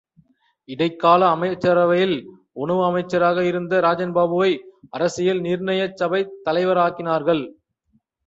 இடைக்கால அமைச்சரவையில் உணவு அமைச்சராக இருந்த ராஜன்பாபுவை அரசியல் நிர்ணய சபைத் தலைவராக்கினார்கள்.